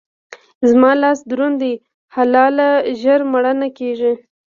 زما لاس دروند دی؛ حلاله ژر مړه نه کېږي.